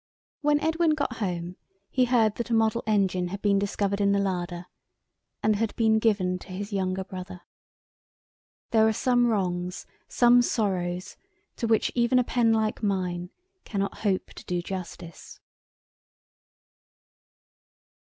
When Edwin got home he heard that a model engine had been discovered in the larder, and had been given to his younger brother. There are some wrongs, some sorrows, to which even a pen like mine cannot hope to do justice.